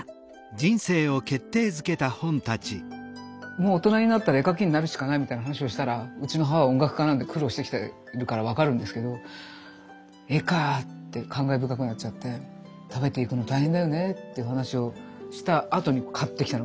もう大人になったら絵描きになるしかないみたいな話をしたらうちの母は音楽家なんで苦労してきてるから分かるんですけど「絵かぁ」って感慨深くなっちゃって「食べていくの大変だよね」っていう話をしたあとに買ってきたのがこれね。